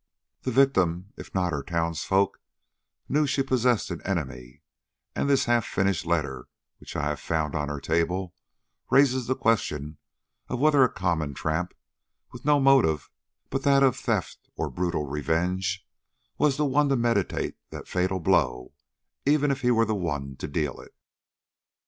The victim, if not her townsfolk, knew she possessed an enemy, and this half finished letter which I have found on her table, raises the question whether a common tramp, with no motive but that of theft or brutal revenge, was the one to meditate the fatal blow, even if he were the one to deal it."